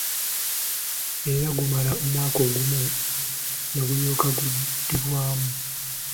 Era gumala omwaka gumu ne gulyoka guddibwamu.